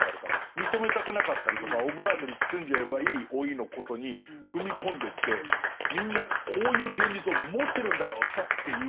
認めたくなかったりとかオブラートに包んじゃえばいい老いのことに踏み込んでってみんなこういう現実を持ってるんだよっていう。